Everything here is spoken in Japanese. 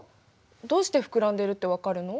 どうして膨らんでいるって分かるの？